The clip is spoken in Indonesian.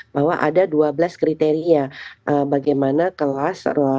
bahwa ada dua belas perusahaan yang harus disediakan untuk penyelenggaraan bidang rumah sakit swasta